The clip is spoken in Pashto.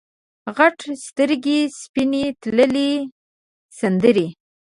غټ سترګې سپینې تللې سندرې